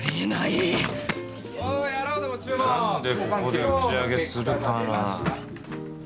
何でここで打ち上げするかな。